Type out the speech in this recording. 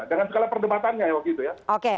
dengan segala perdebatannya